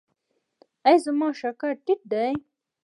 ایا زما شکر ټیټ دی؟